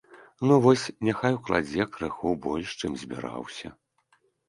Ну вось, няхай укладзе крыху больш, чым збіраўся!